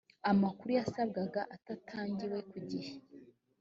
amakuru yasabwaga atatangiwe ku gihe